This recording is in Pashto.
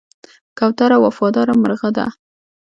کوتره وفاداره مرغه ده.